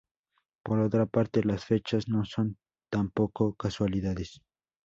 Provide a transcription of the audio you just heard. Por otra parte las fechas no son tampoco casualidades.